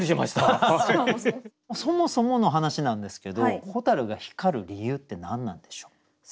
そもそもの話なんですけど蛍が光る理由って何なんでしょう？